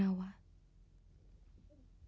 yang menangkan kakak